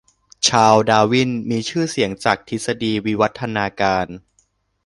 ชาลส์ ดาร์วิน มีชื่อเสียงจากทฤษฎีวิวัฒนาการ